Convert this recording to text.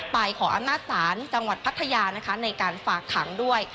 ขออำนาจศาลจังหวัดพัทยานะคะในการฝากขังด้วย